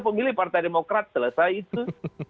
pemilih partai demokrat selesai itu